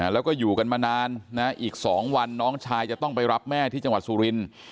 แล้วก็อยู่กันมานานนะอีก๒วันน้องชายจะต้องไปรับแม่ที่จังหวัดสุรินทร์